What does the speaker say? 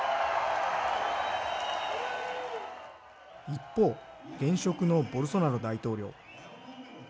一方現職のボルソナロ大統領。